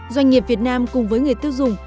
doanh nghiệp việt nam cùng với người tiêu dùng